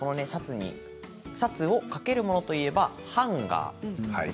シャツをかけるものといえばハンガーです。